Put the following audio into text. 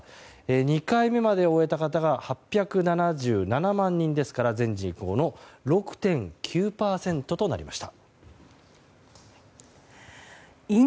２回目までを終えた方が８７７万人ですから全人口の６．９％となりました。